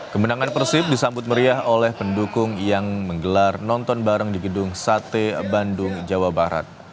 kemenangan persib disambut meriah oleh pendukung yang menggelar nonton bareng di gedung sate bandung jawa barat